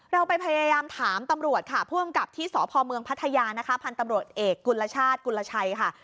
เราไปพยายามถามตำรวจค่ะผู้อำกับที่สพเมืองพัทยานะคะพันธุ์ตำรวจเอกกุลชาติกุลชัยค่ะ